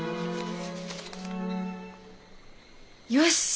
よし！